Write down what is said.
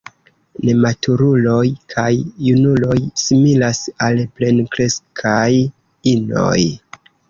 Nematuruloj kaj junuloj similas al plenkreskaj inoj.